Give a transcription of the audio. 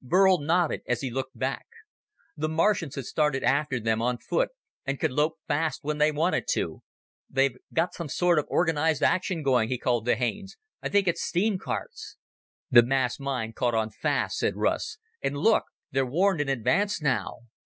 Burl nodded as he looked back. The Martians had started after them on foot, and could lope fast when they wanted to. "They've got some sort of organized action going," he called to Haines. "I think it's steam carts!" "The mass mind caught on fast," said Russ. "And look! They're warned in advance now!"